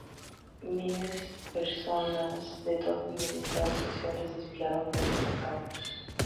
Miles personas de todos los estratos sociales desfilaron frente a su ataúd.